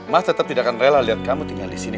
mas tetep tidak akan rela liat kamu tinggal disini